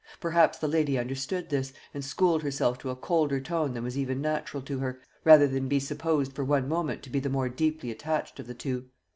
Perhaps the lady understood this, and schooled herself to a colder tone than was even natural to her, rather than be supposed for one moment to be the more deeply attached of the two.